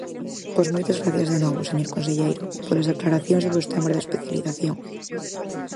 Pois moitas grazas de novo, señor conselleiro, polas aclaracións sobre os temas da especialización.